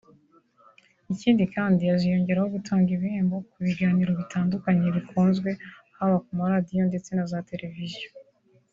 Ikindi kandi haziyongeraho gutanga ibihembo ku biganiro bitandukanye bikunzwe haba ku ma radiyo ndetse na za televiziyo